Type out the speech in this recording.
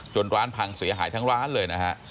ร้านพังเสียหายทั้งร้านเลยนะฮะ